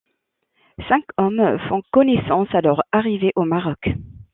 Cinq hommes font connaissance à leur arrivée au Maroc.